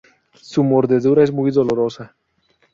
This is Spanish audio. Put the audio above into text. Su mordedura es muy dolorosa.